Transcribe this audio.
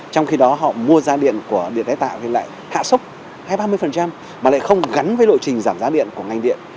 trong khi đó họ mua giá điện của điện tái tạo thì lại hạ sốc hay ba mươi mà lại không gắn với lộ trình giảm giá điện của ngành điện